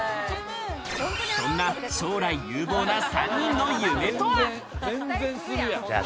そんな将来有望な３人の夢とは？